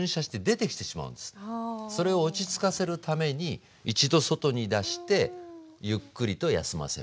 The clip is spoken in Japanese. それを落ち着かせるために一度外に出してゆっくりと休ませる。